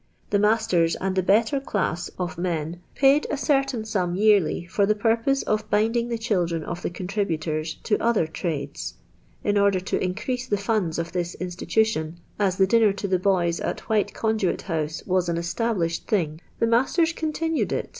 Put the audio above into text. The masters and the better class of m^n paid a ciMta in sum yearly, for the purpose of binding the childn n of the contributors to other trades. In urdiT lo increase the funds of this institution, as till' dinner to the boys at White Conduit Hou«e was an established thing, the masters continued it.